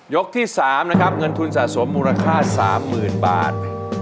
ที่๓นะครับเงินทุนสะสมมูลค่า๓๐๐๐บาท